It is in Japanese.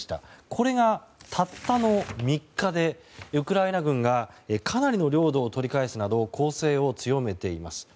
これが、たったの３日でウクライナ軍がかなりの領土を取り返すなど攻勢を強めています。